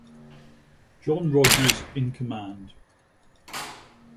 John Rodgers in command.